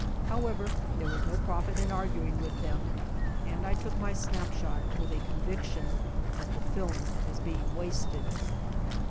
However, there was no profit in arguing with them, and I took my snap shot with a conviction that the film was being wasted.